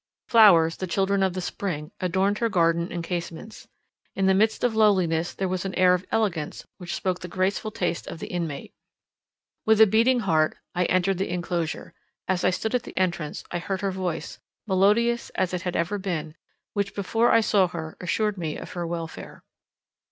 Flowers, the children of the spring, adorned her garden and casements; in the midst of lowliness there was an air of elegance which spoke the graceful taste of the inmate. With a beating heart I entered the enclosure; as I stood at the entrance, I heard her voice, melodious as it had ever been, which before I saw her assured me of her welfare.